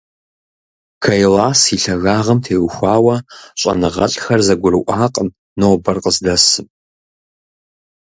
Кайлас и лъагагъым теухуауэ щӀэныгъэлӀхэр зэгурыӀуакъым нобэр къыздэсым.